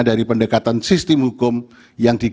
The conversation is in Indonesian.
dari pendekatan sistem hukum dan pendekatan sistem hukum